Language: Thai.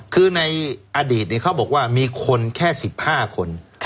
คือในอดีตเขาบอกว่ามีคนแค่๑๕คน